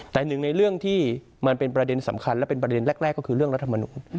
แต่หนึ่งในเรื่องที่มันเป็นประเด็นสำคัญและเป็นประเด็นแรกก็คือเรื่องรัฐมนุน